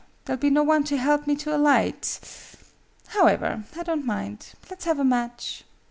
There'll be no one to help me to alight. However, I don't mind. Let's have a match."